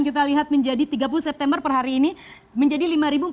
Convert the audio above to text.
kita lihat menjadi tiga puluh september per hari ini menjadi lima ribu empat ratus dua puluh enam